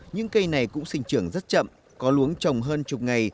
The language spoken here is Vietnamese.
những cây này cũng sinh trưởng rất chậm có luống trồng hơn chục ngày